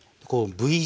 Ｖ字。